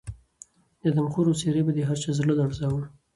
د آدمخورو څېرې به د هر چا زړه لړزاوه.